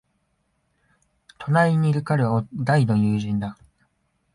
隣にいる彼は大の友人だ。